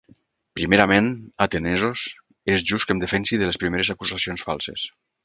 Primerament, atenesos, és just que em defensi de les primeres acusacions falses.